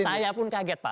saya pun kaget pak